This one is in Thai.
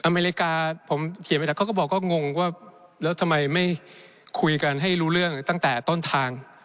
อเมริกาผมเขียนไปแต่เขาก็บอกว่างงว่าแล้วทำไมไม่คุยกันให้รู้เรื่องตั้งแต่ต้นทาง